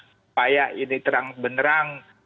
supaya ini terang benerang